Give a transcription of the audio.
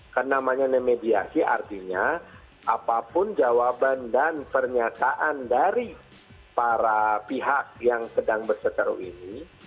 karena namanya nemediasi artinya apapun jawaban dan pernyataan dari para pihak yang sedang berseteru ini